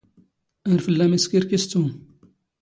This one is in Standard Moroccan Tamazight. ⴰⵔ ⴼⵍⵍⴰⵎ ⵉⵙⴽⵉⵔⴽⵉⵙ ⵜⵓⵎ.